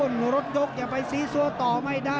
รถยกอย่าไปซีซัวต่อไม่ได้